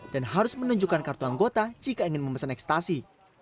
harus menunjukkan kartu anggota jika ingin memesan ekstasi